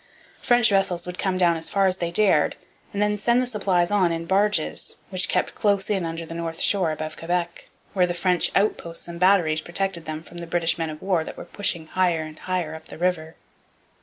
French vessels would come down as far as they dared and then send the supplies on in barges, which kept close in under the north shore above Quebec, where the French outposts and batteries protected them from the British men of war that were pushing higher and higher up the river.